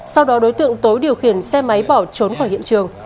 sau đó đối tượng tối điều khiển xe máy bỏ trốn khỏi hiện trường